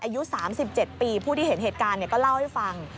อายุ๓๗ปีผู้ที่เห็นเหตุการณ์ก็เล่าให้ฟัง